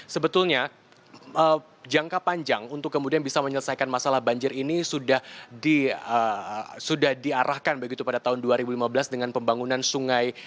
sebetulnya jangka panjang untuk kemudian bisa menyelesaikan masalah banjir ini sudah diarahkan begitu pada tahun dua ribu lima belas dengan pembangunan sungai